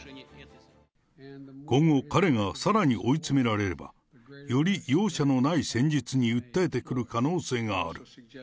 今後、彼がさらに追い詰められれば、より容赦のない戦術に訴えてくる可能性がある。